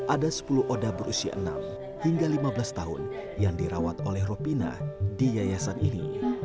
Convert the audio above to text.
ada sepuluh oda berusia enam hingga lima belas tahun yang dirawat oleh ropina di yayasan ini